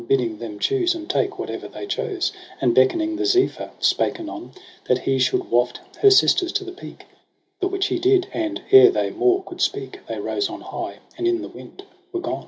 Bidding them choose and take whate'er they chose ; And beckoning the Zephyr spake anon That he should waft her sisters to the peak ; The which he did, and, ere they more coud speak, They rose on high, and in the wind were gone.